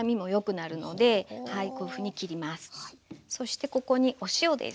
そしてここにお塩です。